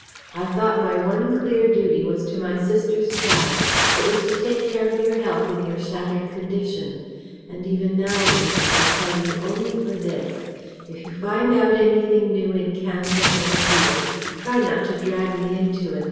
I thought my one clear duty was to my sister's child: it was to take care of your health in your shattered condition. And even now, Una, I tell you only for this: if you find out anything new, in Canada or here, try not to drag me into it.